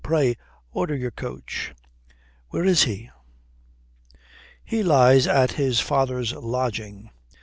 Pray, order your coach." "Where is he?" "He lies at his father's lodging.